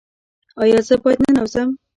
ایا زه باید ننوځم؟